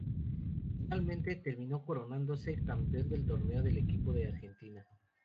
Finalmente, terminó coronándose campeón del torneo el equipo de Argentina.